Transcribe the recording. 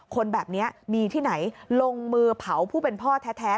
คนแบบนี้มีที่ไหนลงมือเผาผู้เป็นพ่อแท้